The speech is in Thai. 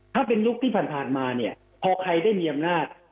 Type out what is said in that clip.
ถ้าเป็นยุคที่ผ่านมาเนี่ยพอใครได้มีอำนาจ